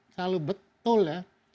selalu betul ya